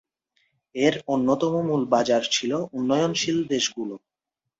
এর অন্যতম মূল বাজার ছিল উন্নয়নশীল দেশগুলো।